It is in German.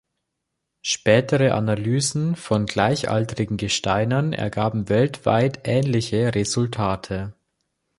Spätere Analysen von gleichaltrigen Gesteinen ergaben weltweit ähnliche Resultate.